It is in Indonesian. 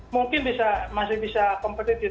mungkin masih bisa kompetitif